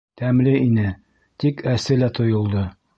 Тәмле ине, тик әсе лә тойолдо.